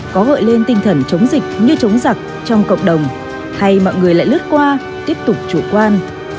có gợi lên tinh thần chống dịch như chống giặc trong cộng đồng hay mọi người lại lướt qua tiếp tục chủ quan